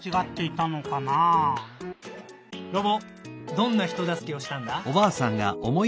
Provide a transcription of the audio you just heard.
どんなひとだすけをしたんだ？」。